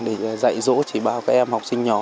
để dạy dỗ chỉ bao các em học sinh nhỏ